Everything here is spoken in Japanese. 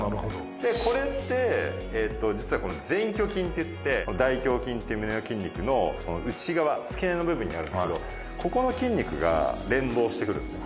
でこれって実はこの前鋸筋っていって大胸筋って胸の筋肉のその内側付け根の部分にあるんですけどここの筋肉が連動してくるんですね。